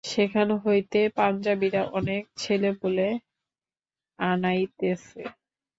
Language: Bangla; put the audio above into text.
সেখান হইতে পাঞ্জাবীরা অনেক ছেলেপুলে আনাইতেছে।